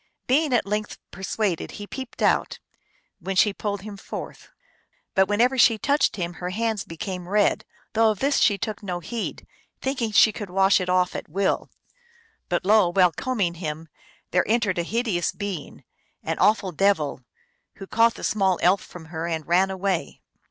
Being at length persuaded, he peeped out, when she pulled him forth. But whenever she touched him her hands became red, though of this she took no heed, thinking she could wash it off at will. But lo ! while combing him, there entered a hideous being, an awful devil, who caught the small elf from her and ran away.